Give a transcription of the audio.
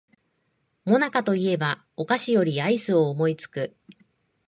もなかと言えばお菓子よりアイスを思いつく